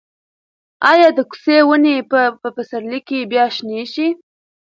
ایا د کوڅې ونې به په پسرلي کې بیا شنې شي؟